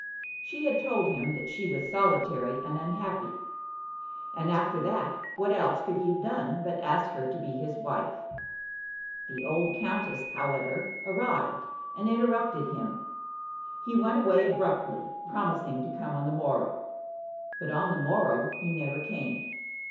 She had told him that she was solitary and unhappy; and after that what else could he have done but ask her to be his wife? The old countess, however, arrived, and interrupted him. He went away abruptly, promising to come on the morrow; but on the morrow he never came.